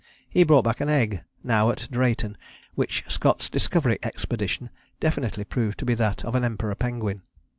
He brought back an egg now at Drayton which Scott's Discovery Expedition definitely proved to be that of an Emperor penguin.